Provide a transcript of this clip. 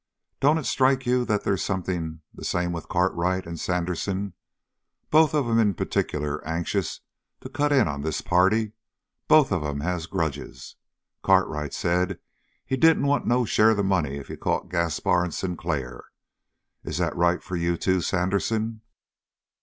"Don't it strike you that they's something the same with Cartwright and Sandersen? Both of 'em in particular anxious to cut in on this party; both of 'em has grudges. Cartwright said he didn't want no share of the money if you caught Gaspar and Sinclair. Is that right for you, too, Sandersen?"